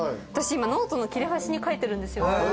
今ノートの切れ端に書いてるんですよ。